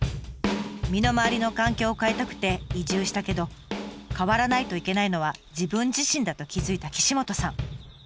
身の回りの環境を変えたくて移住したけど変わらないといけないのは自分自身だと気付いた岸本さん。